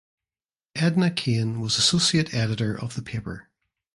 Edna Cain was associate editor of the paper.